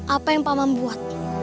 apa yang paman buat